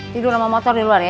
tidur sama motor di luar ya